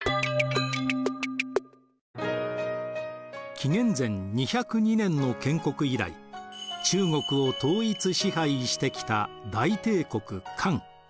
紀元前２０２年の建国以来中国を統一支配してきた大帝国漢。